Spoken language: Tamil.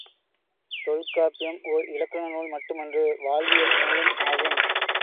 தொல்காப்பியம் ஓர் இலக்கண நூல் மட்டுமன்று, வாழ்வியல் நூலும் ஆகும்.